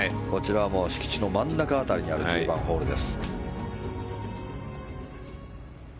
敷地の真ん中辺りにある１０番ホールです。